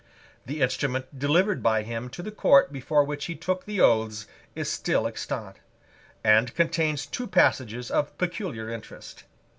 The instrument delivered by him to the Court before which he took the oaths is still extant, and contains two passages of peculiar interest.